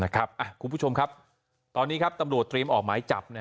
คุณผู้ชมครับตอนนี้ตำรวจสำรวจออกหมายจับ